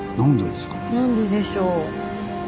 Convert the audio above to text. なんででしょう？